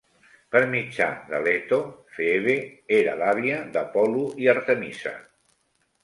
Per mitjà de Leto, Phoebe era l"àvia d"Apollo i Artemisa.